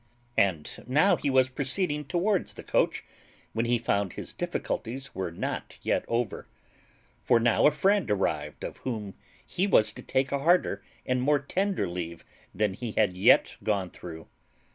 And now he was proceeding towards the coach when he found his difficulties were not yet over; for now a friend arrived of whom he was to take a harder and more tender leave than he had yet gone through.